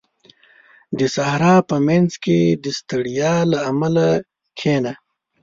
• د صحرا په منځ کې د ستړیا له امله کښېنه.